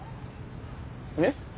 えっ。